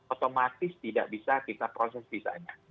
otomatis tidak bisa kita proses sisanya